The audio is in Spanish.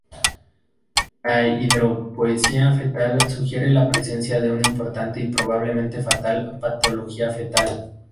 La hidropesía fetal sugiere la presencia de una importante, y probablemente fatal, patología fetal.